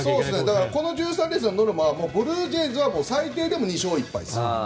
だからこの３連戦のノルマはブルージェイズは最低でも２勝１敗です。